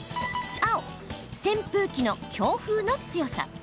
青・扇風機の強風の強さ。